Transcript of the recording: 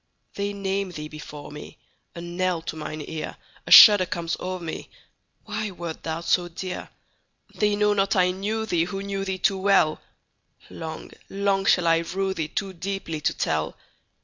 They name thee before me,A knell to mine ear;A shudder comes o'er me—Why wert thou so dear? They know not I knew theeWho knew thee too well:Long, long shall I rue theeToo deeply to tell.